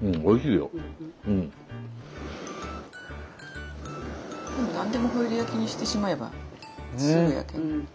何でもホイル焼きにしてしまえばすぐ焼ける。